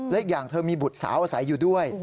และอีกอย่างเธอมีบุตรสาวอาศัยอยู่ด้วย